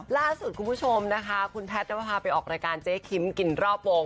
ล่าสุดคุณผู้ชมนะคะคุณแพทย์นภาไปออกรายการเจ๊คิมกินรอบวง